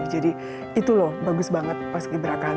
jadi itu loh bagus banget paski beraka